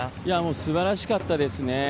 素晴らしかったですね。